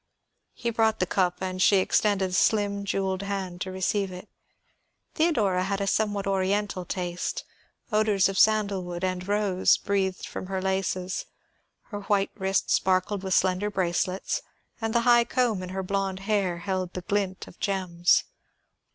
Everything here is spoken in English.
He brought the cup and she extended a slim, jeweled hand to receive it. Theodora had a somewhat oriental taste; odors of sandalwood and rose breathed from her laces, her white wrist sparkled with slender bracelets, and the high comb in her blonde hair held the glint of gems.